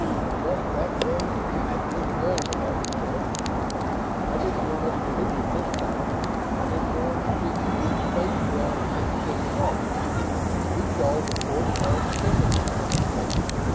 "Trust that gang to keep a good gun," the lawyer said. "I didn't want us to lose it, this time, and I didn't want to see you lose face around City Hall. Gutchalls, of course, are expendable," Allan said.